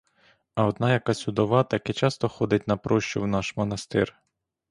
А одна якась удова таки часто ходить на прощу в наш монастир.